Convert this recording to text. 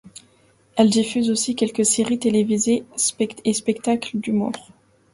Elle diffuse aussi quelques séries télévisées et spectacles d'humours.